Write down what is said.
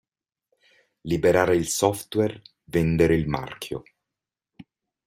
Liberare il software, vendere il marchio.